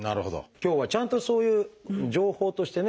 今日はちゃんとそういう情報としてね